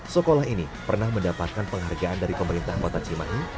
sekolah ini pernah mendapatkan penghargaan dari pemerintah kota cimahi